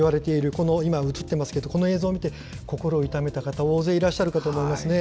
この、今、映ってますけど、この映像を見て、心を痛めた方、大勢いるかと思いますね。